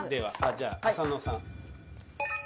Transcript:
じゃあ浅野さん。